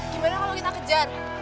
gimana kalau kita kejar